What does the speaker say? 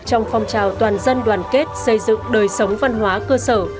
trong phong trào toàn dân đoàn kết xây dựng đời sống văn hóa cơ sở